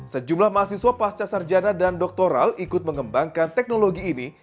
sejumlah mahasiswa pasca sarjana dan doktoral ikut mengembangkan teknologi ini